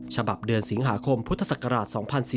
ฉบับเดือนสิงหาคมพุทธศักราช๒๔๔